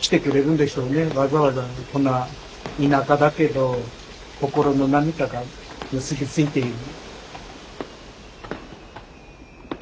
わざわざこんな田舎だけど心の何かが結び付いている。